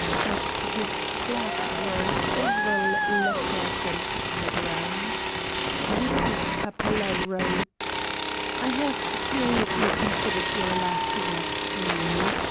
At his flat were several letters and telegrams. Mrs. Capella wrote: "I have seriously considered your last words to me.